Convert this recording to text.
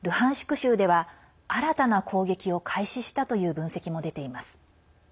州では新たな攻撃を開始したという分析も出ています。